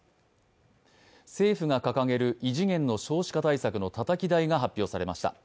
政府が掲げる異次元の少子化対策のたたき台が発表されました。